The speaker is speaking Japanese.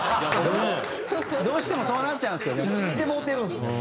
どうしてもそうなっちゃいますけどね。